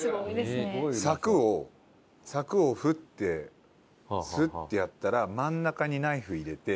サクをサクをフッてスッてやったら真ん中にナイフ入れて。